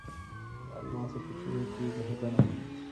د الماسو په چېنو کې بهیدمه